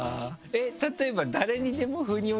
例えば。